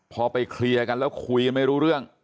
พอไปเคลียร์กันแล้วคุยกันไม่รู้เรื่อง